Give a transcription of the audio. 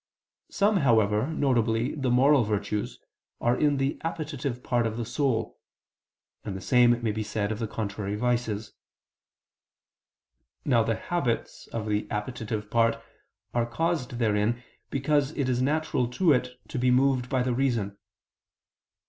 Some, however, viz. the moral virtues, are in the appetitive part of the soul; and the same may be said of the contrary vices. Now the habits of the appetitive part are caused therein because it is natural to it to be moved by the reason.